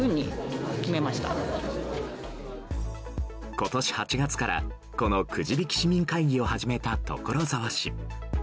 今年８月からこのくじびき市民会議を始めた所沢市。